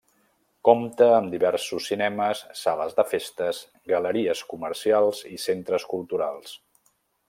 Compta amb diversos cinemes, sales de festes, galeries comercials i centres culturals.